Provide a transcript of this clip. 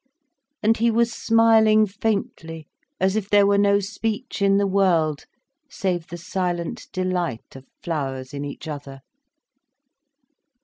And he was smiling faintly as if there were no speech in the world, save the silent delight of flowers in each other.